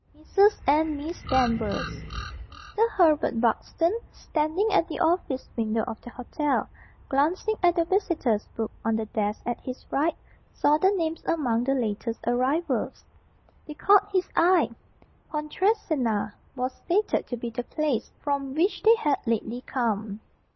"Mrs. And Miss Danvers." Mr. Herbert Buxton, standing at the office window of the hotel, glancing at the visitors' book on the desk at his right, saw the names among the latest arrivals. They caught his eye. "Pontresina" was stated to be the place from which they had lately come.